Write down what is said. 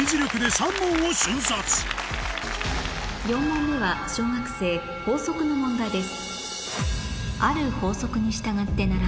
４問目は小学生法則の問題です